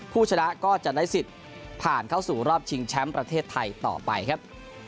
ผู้ชนะก็จะได้สิทธิ์ผ่านเข้าสู่รอบชิงแชมป์ประเทศไทยต่อไปครับ